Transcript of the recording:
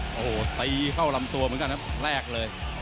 โอ้โหตีเข้าลำตัวเหมือนกันครับแรกเลย